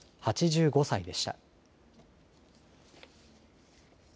８５歳でした。